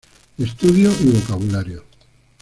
Estudio y vocabulario".